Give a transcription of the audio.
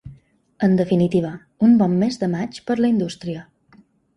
En definitiva, un bon mes de maig per a la indústria.